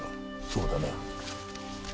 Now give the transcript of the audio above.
そうだな。